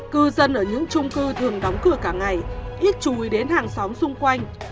cư dân ở những trung cư thường đóng cửa cả ngày ít chùi đến hàng xóm xung quanh